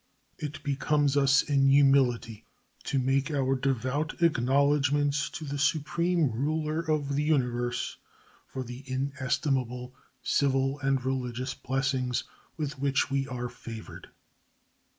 It becomes us in humility to make our devout acknowledgments to the Supreme Ruler of the Universe for the inestimable civil and religious blessings with which we are favored.